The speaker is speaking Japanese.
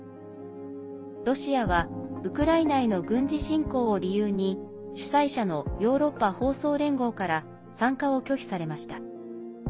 ロシアはウクライナへの軍事侵攻を理由に主催者のヨーロッパ放送連合から参加を拒否されました。